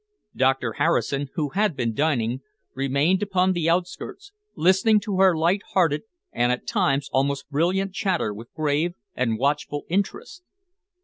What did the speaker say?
Doctor Harrison, who had been dining, remained upon the outskirts, listening to her light hearted and at times almost brilliant chatter with grave and watchful interest.